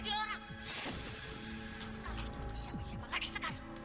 kau itu tuh siapa siapa lagi sekarang